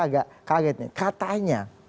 agak kaget katanya